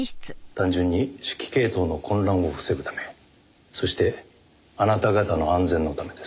単純に指揮系統の混乱を防ぐためそしてあなた方の安全のためです。